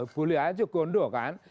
boleh aja gondok kan